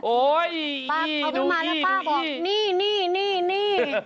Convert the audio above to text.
โอ้ยเอาที่มาแล้วป้าบอกนี่